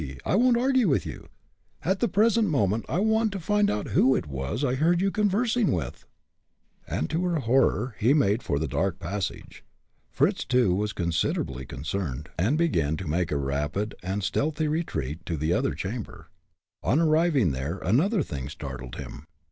I won't argue with you. At the present moment I want to find out who it was I heard you conversing with!" And to her horror he made for the dark passage. Fritz, too, was considerably concerned, and began to make a rapid and stealthy retreat to the other chamber. On arriving there, another thing startled him.